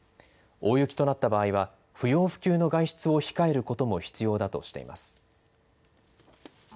大雪となった場合は、不要不急の外出を控えることも必要だとしています。